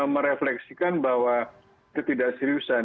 merefleksikan bahwa ketidakseriusan